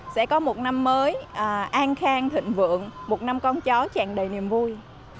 sẽ có một năm mới an khang thịnh vượng một năm con chó tràn đầy niềm vui